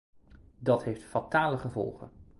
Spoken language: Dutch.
Dat heeft fatale gevolgen.